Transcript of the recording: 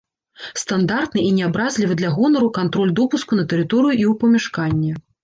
Стандартны і не абразлівы для гонару кантроль допуску на тэрыторыю і ў памяшканне.